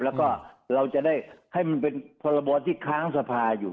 แล้วก็เราจะได้ให้มันเป็นพรบที่ค้างสภาอยู่